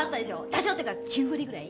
多少というか９割ぐらい。